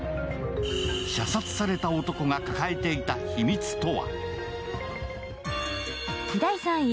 射殺された男が抱えていた秘密とは？